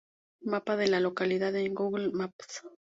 Mapa de la localidad en Google Maps.